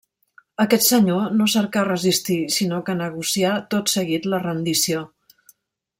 Aquest senyor, no cercà resistir sinó que negocià tot seguit la rendició.